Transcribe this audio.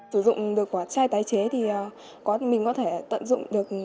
sử dụng được quả chai tái chế thì mình có thể tận dụng được